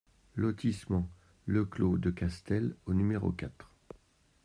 Lotissement Le Clos de Castel au numéro quatre